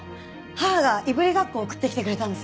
母がいぶりがっこを送ってきてくれたんです。